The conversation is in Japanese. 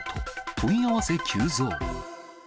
問い合わせ急増。